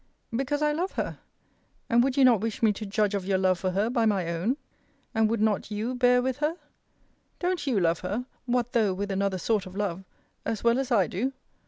because I love her. And would you not wish me to judge of your love for her by my own? And would not you bear with her? Don't you love her (what though with another sort of love?) as well as I do?